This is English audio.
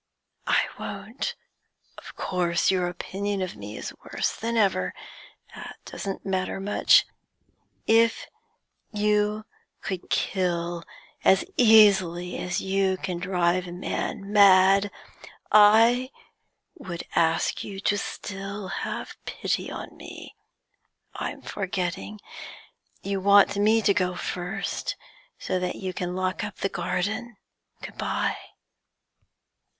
'I won't. Of course your opinion of me is worse than ever. That doesn't matter much. If you could kill as easily as you can drive a man mad, I would ask you to still have pity on me. I'm forgetting: you want me to go first, so that you can lock up the garden. Good bye!'